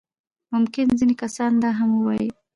ممکن ځينې کسان دا هم ووايي.